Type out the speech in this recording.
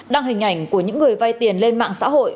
đăng hình ảnh của những người vay tiền lên mạng xã hội